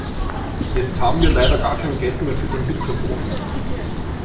Jetzt haben wir leider gar kein Geld mehr für den Pizzaboten.